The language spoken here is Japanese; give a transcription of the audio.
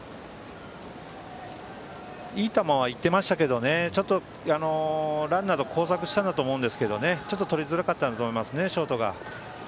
いい球は行ってましたけどランナーと交錯したんだと思うんですけどちょっととりづらかったんだと思います、ショートが。